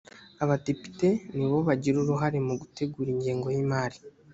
abadepite nibo bagira uruhare mu gutegura ingengo y ‘imari